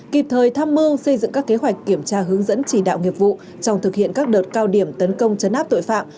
kịp thời tham mưu xây dựng các kế hoạch kiểm tra hướng dẫn chỉ đạo nghiệp vụ trong thực hiện các đợt cao điểm tấn công chấn áp tội phạm